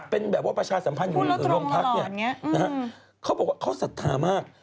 เป็นแบบว่าประชาสัมพันธ์อยู่โรงพักเนี่ยนะฮะเขาบอกว่าเขาศรัทธามาก